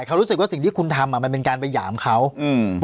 เขารู้สึกว่าสิ่งที่คุณทำอ่ะมันเป็นการไปหยามเขาอืม